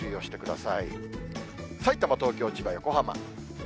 さいたま、東京、千葉、横浜。